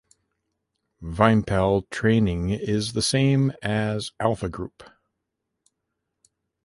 Vympel training is the same as Alpha Group.